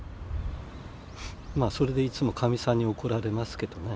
まあそれでいつもかみさんに怒られますけどね。